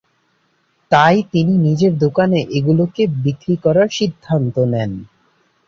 তাই তিনি নিজের দোকানে এগুলোকে বিক্রি করার সিদ্ধান্ত নেন।